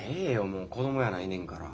もう子供やないねんから。